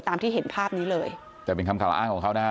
ตามที่เห็นภาพนี้เลยแต่เป็นคำกล่าวอ้างของเขานะฮะ